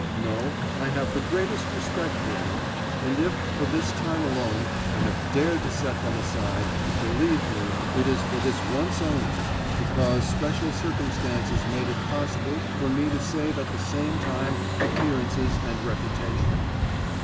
No, I have the greatest respect for them, and if, for this time alone, I have dared to set them aside, believe me, it is for this once only, because special circumstances made it possible for me to save at the same time appearances and reputation.